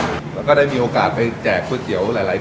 แล้วก็ได้มีโอกาสไปแจกคุณเสียวหลายครั้ง